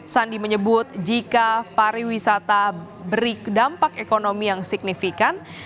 sandi menyebut jika pariwisata beri dampak ekonomi yang signifikan